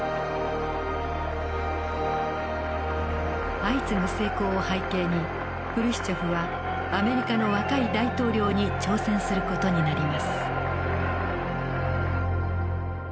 相次ぐ成功を背景にフルシチョフはアメリカの若い大統領に挑戦する事になります。